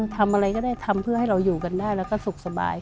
ทำอะไรก็ได้ทำเพื่อให้เราอยู่กันได้แล้วก็สุขสบาย